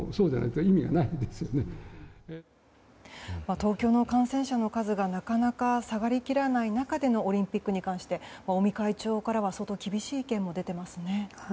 東京の感染者の数がなかなか下がりきらない中でのオリンピックに関して尾身会長からは相当厳しい意見も出てますね。